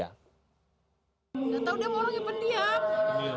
gak tau dia mau lagi pendiam